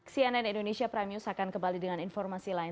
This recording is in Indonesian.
cnn indonesia prime news akan kembali dengan informasi lain